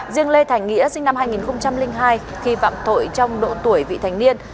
riêng lê thành nghĩa sinh năm hai nghìn hai khi phạm tội trong độ tuổi vị thành niên